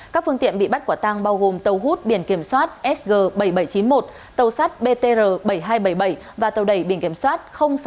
các phương tiện bị bắt quả tang bao gồm tàu hút biển kiểm soát sg bảy nghìn bảy trăm chín mươi một tàu sát btr bảy nghìn hai trăm bảy mươi bảy và tàu đẩy biển kiểm soát sáu nghìn bốn trăm sáu mươi bảy